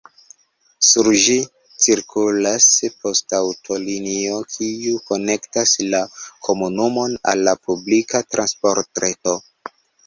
Sur ĝi cirkulas poŝtaŭtolinio, kiu konektas la komunumon al la publika transportreto.